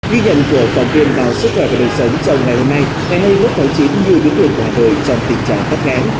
ghi nhận của phóng viên vào sức khỏe và đời sống trong ngày hôm nay ngày hai mươi một tháng chín như biến đường của hà nội trong tình trạng phát ngán